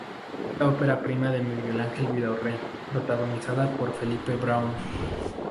Es la ópera prima de Miguel Ángel Vidaurre, protagonizada por Felipe Braun.